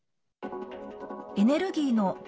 エネルギーの脱